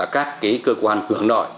các cái cơ quan hướng nội